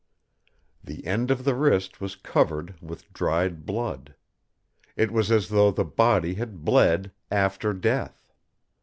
"The end of the wrist was covered with dried blood! It was as though the body had bled after death!